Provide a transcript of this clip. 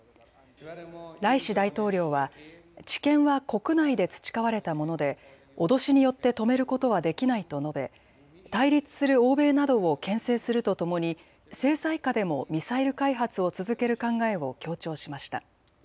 ライシ大統領は知見は国内で培われたもので脅しによって止めることはできないと述べ対立する欧米などをけん制するとともに制裁下でもミサイル開発を続ける考えを強調しました。